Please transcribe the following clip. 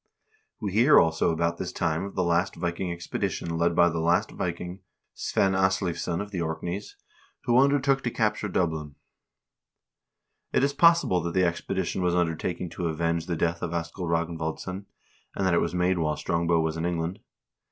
We hear also about this time of the last Viking expedition led by the last Viking, Svein Asleivsson of the Orkneys, who undertook to capture Dublin. It is possible that the expedition was undertaken to avenge the death of Askell Ragnvaldsson, and that it was made while Strong bow was in England.